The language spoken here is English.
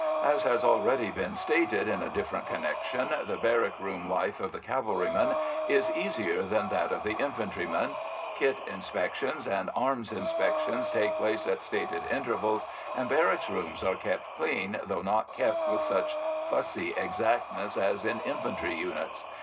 As has already been stated in a different connection, the barrack room life of the cavalryman is easier than that of the infantryman. Kit inspections and arms inspections take place at stated intervals, and barrack rooms are kept clean, though not kept with such fussy exactness as in infantry units.